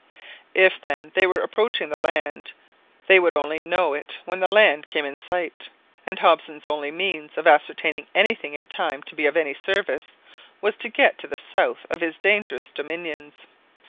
If, then, they were approaching the land, they would only know it when the land came in sight, and Hobson's only means of ascertaining anything in time to be of any service, was to get to the south of his dangerous dominions.